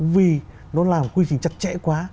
vì nó làm quy trình chặt chẽ quá